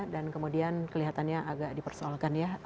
dan kemudian kelihatannya agak dipersoalkan ya